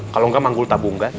kalau nggak manggul tabungan